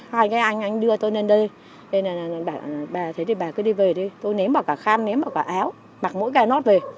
hai cái anh anh đưa tôi lên đây thế thì bà cứ đi về đi tôi ném bò cả khăn ném bò cả áo mặc mỗi cái nót về